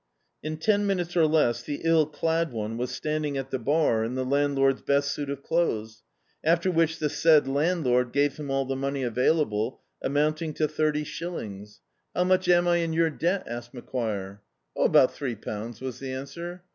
In ten minutes or less the ill clad one was stand* ing at the bar in the landlord's best suit of clothes, after which the said landlord gave him all the money available, amounting to thirty shillings. "How much am I in your debt^" asked Macquire. "Oh, about three pounds," was the answer.